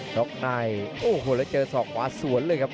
นกในโอ้โหแล้วเจอส่อคว้าสวนเลยครับ